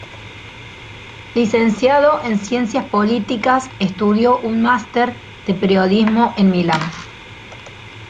Licenciado en ciencias políticas, estudió un máster de periodismo en Milán.